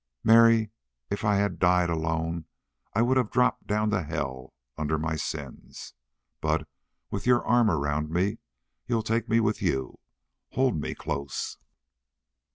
"Mary, if I had died alone I would have dropped down to hell under my sins; but, with your arm around me, you'll take me with you. Hold me close."